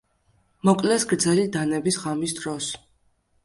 მოკლეს გრძელი დანების ღამის დროს.